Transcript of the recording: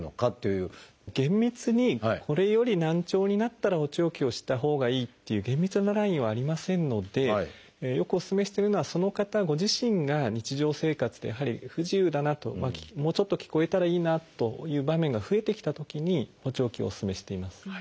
厳密にこれより難聴になったら補聴器をしたほうがいいっていう厳密なラインはありませんのでよくおすすめしてるのはその方ご自身が日常生活でやはり不自由だなともうちょっと聞こえたらいいなという場面が増えてきたときに補聴器をおすすめしています。